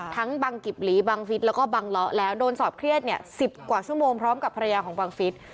บังกิบหลีบังฟิศแล้วก็บังเลาะแล้วโดนสอบเครียดเนี่ย๑๐กว่าชั่วโมงพร้อมกับภรรยาของบังฟิศ